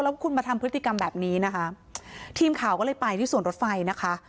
แล้วคุณมาทำพฤติกรรมแบบนี้นะคะทีมข่าวก็เลยไปที่สวนรถไฟนะคะ